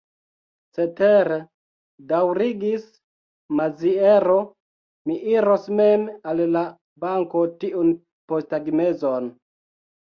Cetere, daŭrigis Maziero, mi iros mem al la banko tiun posttagmezon.